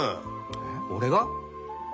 えっ俺が？